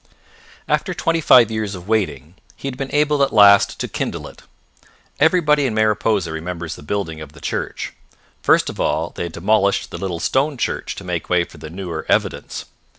After twenty five years of waiting, he had been able at last to kindle it. Everybody in Mariposa remembers the building of the church. First of all they had demolished the little stone church to make way for the newer Evidence.